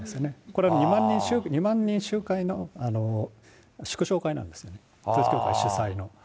これ、２万人集会の祝勝会なんですね、統一教会主催の。